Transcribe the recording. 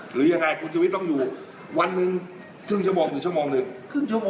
หรือยังไงคุณชีวิตต้องอยู่วันหนึ่งครึ่งชั่วโมงหรือชั่วโมงหนึ่ง